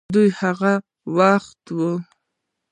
دوې ته دَ هغه وخت